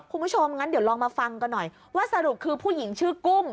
คุณผู้ชมงั้นเดี๋ยวลองมาฟังกันหน่อยว่าสรุปคือผู้หญิงชื่อกุ้ง